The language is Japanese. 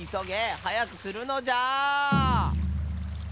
はやくするのじゃ！